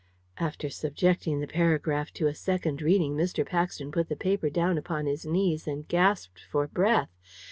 After subjecting the paragraph to a second reading, Mr. Paxton put the paper down upon his knees, and gasped for breath.